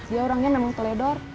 ya orangnya memang teledor